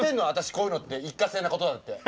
こういうのって一過性なことだって！